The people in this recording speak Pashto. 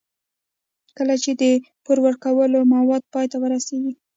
کله چې د پور ورکولو موده پای ته ورسېږي